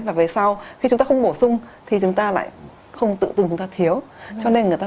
và về sau khi chúng ta không bổ sung thì chúng ta lại không tự từng chúng ta thiếu